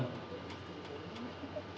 tapi juga untuk yang lainnya